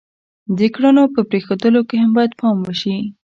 د کړنو په پرېښودلو کې هم باید پام وشي.